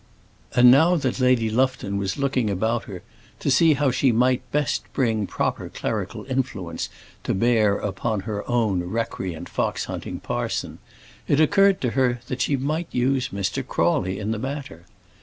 And now that Lady Lufton was looking about her, to see how she might best bring proper clerical influence to bear upon her own recreant fox hunting parson, it occurred to her that she might use Mr. Crawley in the matter.